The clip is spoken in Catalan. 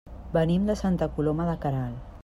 Venim de Santa Coloma de Queralt.